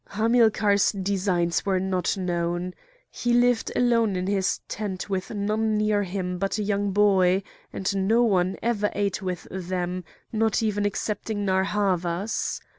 Hamilcar's designs were not known. He lived alone in his tent with none near him but a young boy, and no one ever ate with them, not even excepting Narr' Havas.